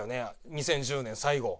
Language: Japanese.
２０１０年最後。